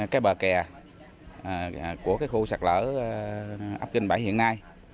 cái bờ kè của cái khu sạt lở ấp kinh bảy hiện nay